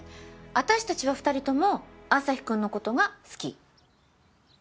私たちは２人ともアサヒくんの事が好き。